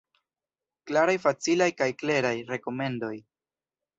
Klaraj, facilaj kaj kleraj rekomendoj.